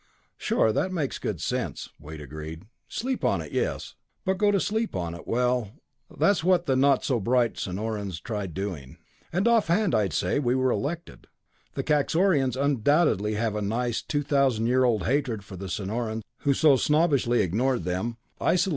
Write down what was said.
"Sure; that makes good sense," Wade agreed. "Sleep on it, yes. But go to sleep on it well, that's what the not so bright Sonorans tried doing. "And off hand, I'd say we were elected. The Kaxorians undoubtedly have a nice, two thousand year old hatred for the Sonorans who so snobbishly ignored them, isolated them, and considered them unfit for association.